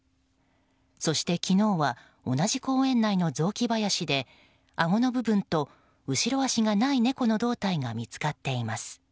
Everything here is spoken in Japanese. そして昨日は同じ公園内の雑木林であごの部分と後ろ足がない猫の胴体が見つかっています。